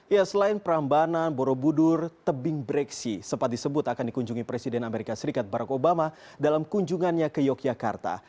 ya selain prambanan borobudur tebing breksi sempat disebut akan dikunjungi presiden amerika serikat barack obama dalam kunjungannya ke yogyakarta